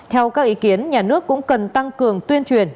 theo các ý kiến nhà nước cũng cần tăng cường tuyên truyền